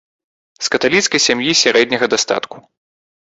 З каталіцкай сям'і сярэдняга дастатку.